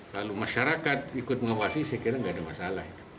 kalau masyarakat ikut mengawasi saya kira tidak ada masalah